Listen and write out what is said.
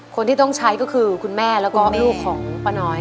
คนที่ต้องใช้ก็คือคุณแม่แล้วก็ลูกของป้าน้อย